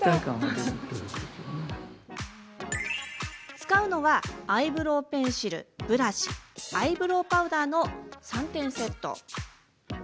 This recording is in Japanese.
使うのは、アイブロウペンシルブラシ、アイブロウパウダーの３点セット。